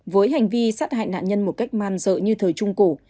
với hành vi sát hại nạn nhân một cách man dợ như thời trung cổ